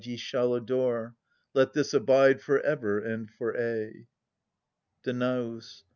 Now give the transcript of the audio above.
Ye shall adore. Let this abide For ever and for aye. Danaus.